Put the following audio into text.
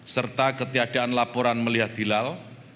serta ketiadaan laporan meliah dilal